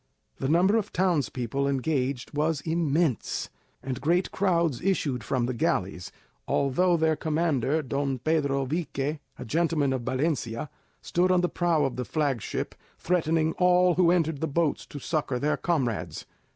The number of townspeople engaged was immense, and great crowds issued from the galleys, although their commander, Don Pedro Vique, a gentleman of Valencia, stood on the prow of the flag ship, threatening all who entered the boats to succour their comrades.